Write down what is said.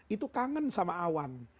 itu kangen sama awan